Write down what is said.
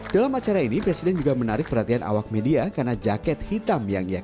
dalam acara ini presiden juga menarik perhatian awak media karena jaket hitam yang ia